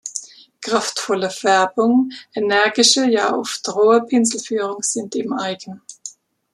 Kraftvolle Färbung, energische, ja oft rohe Pinselführung sind ihm eigen.